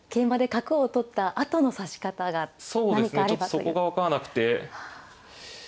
ちょっとそこが分からなくて。